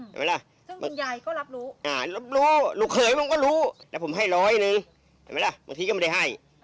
ซึ่งคุณยายก็รับรู้รับรู้ลูกเขยมันก็รู้แต่ผมให้ร้อยหนึ่งบางทีก็ไม่ได้ให้